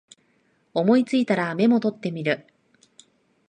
思いついたらメモ取ってみる